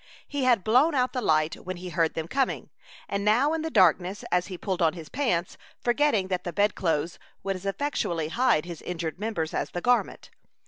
He had blown out the light when he heard them coming, and now in the darkness he pulled on his pants, forgetting that the bed clothes would as effectually hide his injured members as the garment.